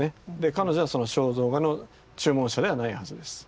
彼女はその肖像画の注文者ではないはずです。